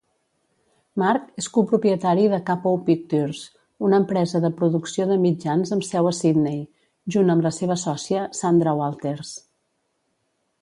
Mark és copropietari de Kapow Pictures, una empresa de producció de mitjans amb seu a Sydney, junt amb la seva sòcia Sandra Walters.